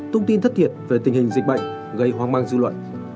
thông tin thất thiệt về tình hình dịch bệnh gây hoang mang dư luận